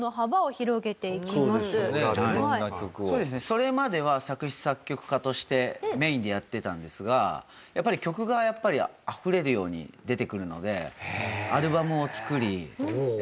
それまでは作詞作曲家としてメインでやっていたんですがやっぱり曲があふれるように出てくるので。